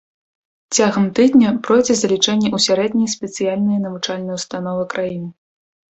Цягам тыдня пройдзе залічэнне ў сярэднія спецыяльныя навучальныя ўстановы краіны.